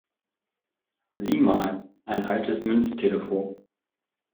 Sieh mal, ein altes Münztelefon!